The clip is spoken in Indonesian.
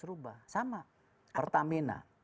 berubah sama pertamina